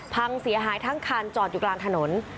พังเสียหายทั้งคันจอดอยู่กลางถนน